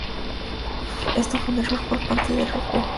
Esto fue un error por parte de Roku y se resolvió rápidamente.